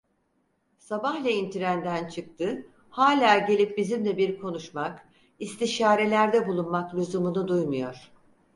Sabahleyin trenden çıktı, hala gelip bizimle bir konuşmak, istişarelerde bulunmak lüzumunu duymuyor.